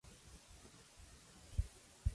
La pareja tiene tres hijos, Carla, Carlos y Daniela.